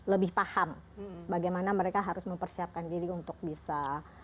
lebih paham bagaimana mereka harus mempersiapkan diri untuk bisa